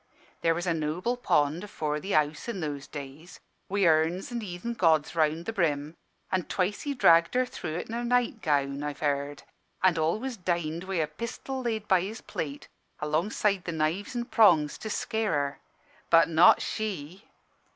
There was a noble pond afore the house, i' those days, wi' urns an' heathen gods around the brim, an' twice he dragged her through it in her night gown, I've heerd, an' always dined wi' a pistol laid by his plate, alongside the knives an' prongs, to scare her. But not she!